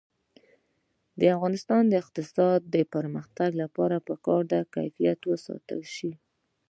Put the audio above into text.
د افغانستان د اقتصادي پرمختګ لپاره پکار ده چې کیفیت وساتل شي.